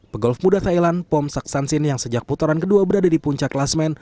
pegolf muda thailand pom saksansin yang sejak putaran kedua berada di puncak kelasmen